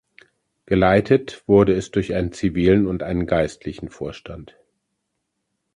Geleitet wurde es durch einen zivilen und einen geistlichen Vorstand.